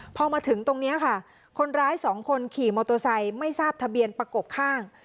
พอมาถึงตรงนี้ค่ะคนร้ายสองคนขี่มอเตอร์ไซค์ไม่ทราบทะเบียนประกบข้าง